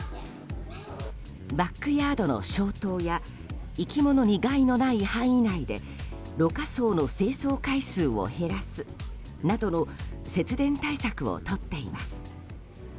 バックヤードの消灯や生き物に害のない範囲内で濾過槽の清掃回数を減らすなどの節電対策をとっています。